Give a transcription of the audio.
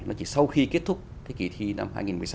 là chỉ sau khi kết thúc cái kỳ thi năm hai nghìn một mươi sáu